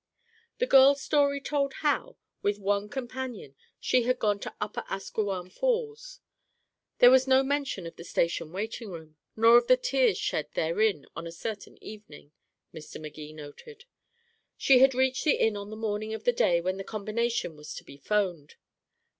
The girl's story told how, with one companion, she had gone to Upper Asquewan Falls. There was no mention of the station waiting room, nor of the tears shed therein on a certain evening, Mr. Magee noted. She had reached the inn on the morning of the day when the combination was to be phoned.